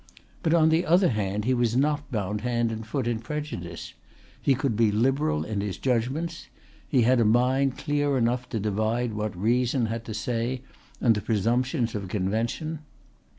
But on the other hand he was not bound hand and foot in prejudice. He could be liberal in his judgments. He had a mind clear enough to divide what reason had to say and the presumptions of convention.